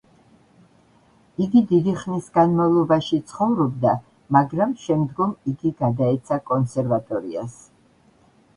იგი დიდი ხნის განმავლობაში ცხოვრობდა, მაგრამ შემდგომ იგი გადაეცა კონსერვატორიას.